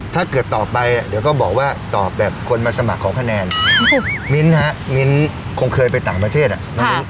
ถ้าเกิดตอบไปเดี๋ยวก็บอกว่าตอบแบบคนมาสมัครของคะแนนครับมิ้นฮะมิ้นคงเคยไปต่างประเทศอ่ะครับ